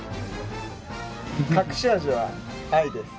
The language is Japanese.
隠し味は愛です。